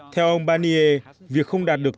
theo ông barnier việc không đạt được